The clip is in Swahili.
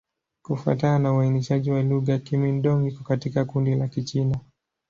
Kufuatana na uainishaji wa lugha, Kimin-Dong iko katika kundi la Kichina.